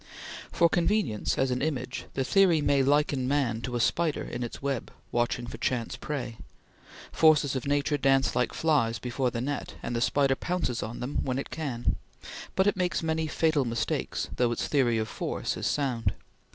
For convenience as an image, the theory may liken man to a spider in its web, watching for chance prey. Forces of nature dance like flies before the net, and the spider pounces on them when it can; but it makes many fatal mistakes, though its theory of force is sound.